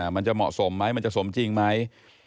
มันจะเหมาะสมไหมมันจะสมจริงไหม